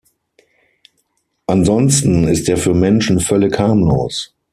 Ansonsten ist er für Menschen völlig harmlos.